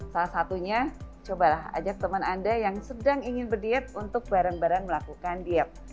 salah satunya cobalah ajak teman anda yang sedang ingin berdiet untuk bareng bareng melakukan diet